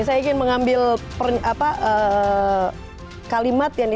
kita akan bahas setelah ini